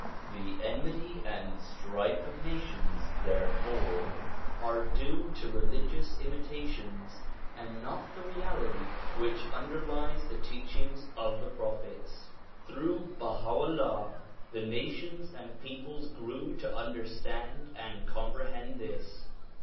The enmity and strife of nations therefore are due to religious imitations and not the reality w'hich underlies the teachings of the prophets. Through Baha 'Ullah the nations and peoples grew to understand and comprehend this.